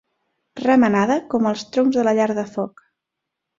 Remenada com els troncs de la llar de foc.